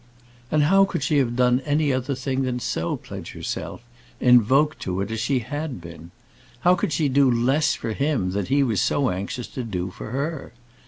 And how could she have done any other than so pledge herself, invoked to it as she had been? How could she do less for him than he was so anxious to do for her?